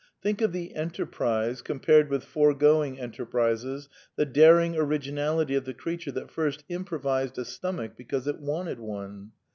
Think of the enterprise (compared with foregoing enter prises), the daring originality of the creature that first " improvised " a stomach because it wanted one.